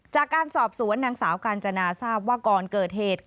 จากการสอบสวนนางสาวกาญจนาทราบว่าก่อนเกิดเหตุ